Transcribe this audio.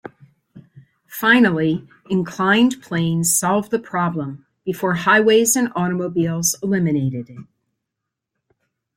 Finally, inclined planes solved the problem, before highways and automobiles eliminated it.